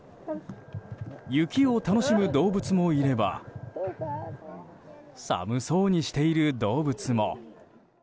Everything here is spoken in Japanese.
雪を楽しむ動物もいれば寒そうにしている動物も。